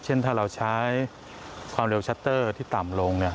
เช่นถ้าเราใช้ความเร็วชัตเตอร์ที่ต่ำลง